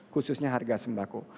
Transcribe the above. khususnya harga sembako